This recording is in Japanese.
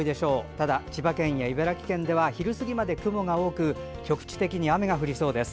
ただ、千葉県や茨城県では昼過ぎまで雲が多く局地的に雨が降りそうです。